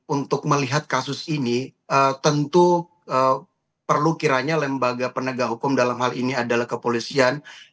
untuk melihat kasus ini tentu perlu kiranya lembaga penegak hukum dalam hal ini adalah kepolisian